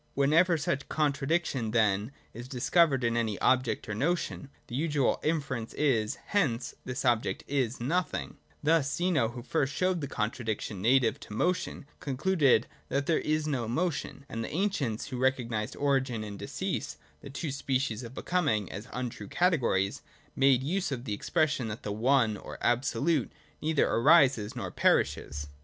Whenever such con tradiction, then, is discovered in any object or notion, the usual inference is, Hence this object is nothingTl Thus Zeno, who first showed the contradiction native to motion, concluded that there is no motion : and the ancients, who recognised origin and decease, the two species of Becoming, as untrue categories, made use of the expression that the One or Absolute neither arises nor perishes.